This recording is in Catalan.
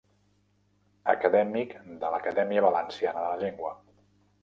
Acadèmic de l'Acadèmia Valenciana de la Llengua.